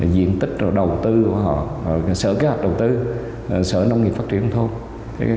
diện tích rồi đầu tư của họ sở kế hoạch đầu tư sở nông nghiệp phát triển thôi